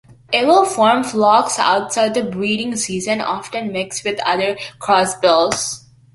It will form flocks outside the breeding season, often mixed with other crossbills.